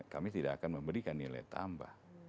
kami tidak akan memberikan nilai tambah